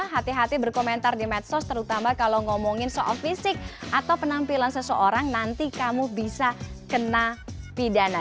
hati hati berkomentar di medsos terutama kalau ngomongin soal fisik atau penampilan seseorang nanti kamu bisa kena pidana